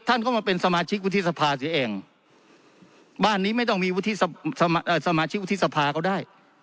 ท่านก็มาเป็นสมาชิกวุฒิสภาเสียเองบ้านนี้ไม่ต้องมีวุฒิสมาชิกวุฒิสภาก็ได้